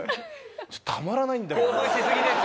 ちょっとたまらないんだよな。